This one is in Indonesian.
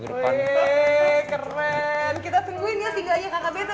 keren kita tungguin ya singalnya kakak beto nanti ya